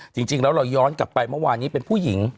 จริงแล้วเราย้อนกลับไปเมื่อวานนี้เป็นผู้หญิง